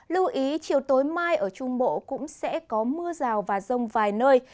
lưu ý chiều tối mai ở trung bộ cũng sẽ có mưa rào và rông vài nơi